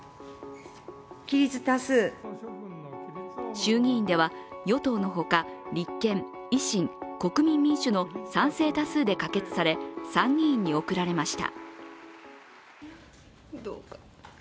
衆議院では与党の他立憲、維新、国民民主の賛成多数で可決され、参議院に送られました。